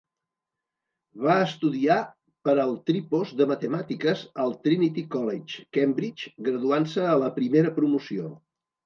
Va estudiar per al tripos de matemàtiques al Trinity College, Cambridge, graduant-se a la primera promoció.